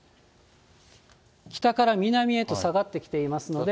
北から南へと下がってきていますので。